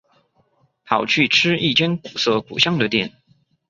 跑去吃一间古色古香的店